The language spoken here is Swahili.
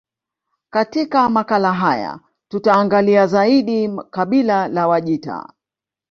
Katika makala haya tutaangalia zaidi kabila la Wajita